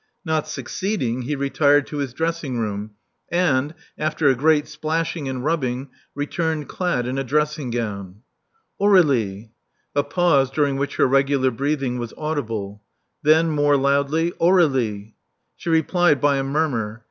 Not succeeding, he retired to his dressing room and, after a great splashing and rubbing, returned clad in a dressing gown. Aur^lie.*' A pause, during which her regular breathing was audible. Then, more loudly, Aur61ie. " She replied by a murmur.